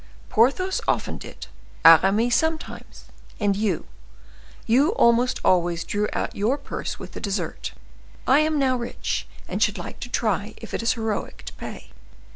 Porthos often did, Aramis sometimes, and you, you almost always drew out your purse with the dessert. I am now rich, and should like to try if it is heroic to pay."